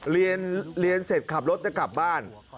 เรียนเสร็จขับรถจะกลับบ้าน